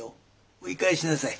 追い返しなさい。